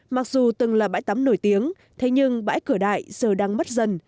mặc dù từng là bãi tắm nổi tiếng thế nhưng bãi cửa đại giờ đang mất dần